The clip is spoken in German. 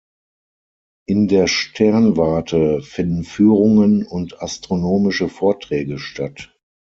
In der Sternwarte finden Führungen und astronomische Vorträge statt.